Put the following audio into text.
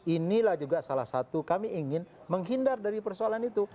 inilah juga salah satu kami ingin menghindar dari persoalan itu